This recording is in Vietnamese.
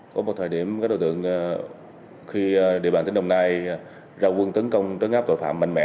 có một thời điểm các đối tượng khi địa bàn tỉnh đồng nai ra quân tấn công trấn áp tội phạm mạnh mẽ